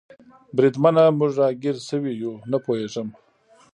بریدمنه، موږ را ګیر شوي یو؟ نه پوهېږم.